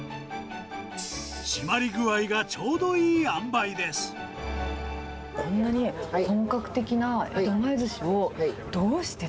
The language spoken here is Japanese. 締まり具合がちょうどいいあんばこんなに本格的な江戸前ずし